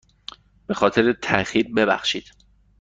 به خاطر تاخیر ببخشید.